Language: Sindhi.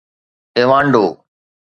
ايوانڊو